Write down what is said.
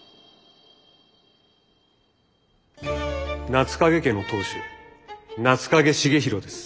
夏影家の当主夏影重弘です。